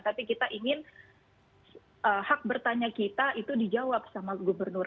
tapi kita ingin hak bertanya kita itu dijawab sama gubernur